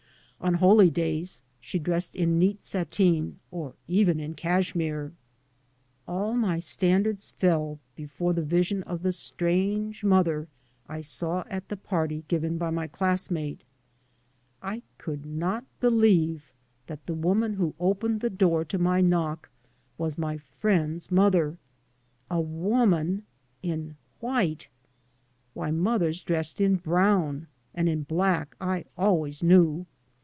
On holy days she dressed in neat sateen, or even in cashmere. All my standards fell before the vision of the strange mother I saw at the party given by my classmate. I could not believe that the woman who opened the door to my knock was my friend's mother. A woman in white! Why, mothers dressed in brown and in black, I always knew.